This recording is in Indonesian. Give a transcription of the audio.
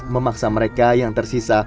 memaksa mereka yang tersisa